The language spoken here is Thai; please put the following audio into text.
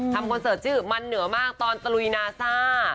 คอนเสิร์ตชื่อมันเหนือมากตอนตะลุยนาซ่า